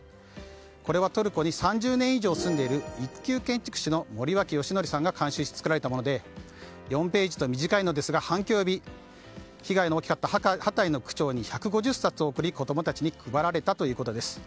これはトルコに３０年以上住んでいる１級建築士の森脇義則さんが監修して作られたもので４ページと短いのですが反響を呼び被害の大きかったハタイの区長に１５０冊贈り子供たちに配られたということです。